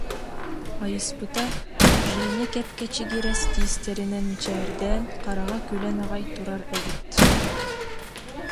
Хайыспыта Женя кэп-кэчигирэс тиистэринэн мичээрдээн, хараҕа күлэн аҕай турар эбит